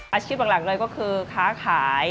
อัชภิปต์หลักเลยคือขาขาย